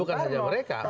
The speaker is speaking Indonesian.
dan bukan saja mereka